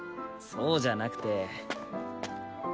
そうじゃなくて。